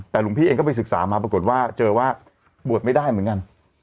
แต่หลวงพี่เองก็ไปศึกษามาปรากฏว่าเจอว่าบวชไม่ได้เหมือนกัน